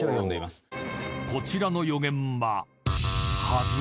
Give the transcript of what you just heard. ［こちらの予言は］